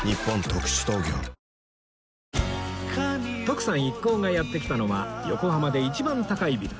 徳さん一行がやって来たのは横浜で一番高いビル